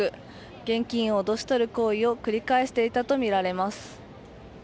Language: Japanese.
現金を脅し取る行為を繰り返していたとみられます。